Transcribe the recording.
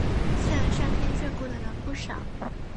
虽然上天眷顾的人不少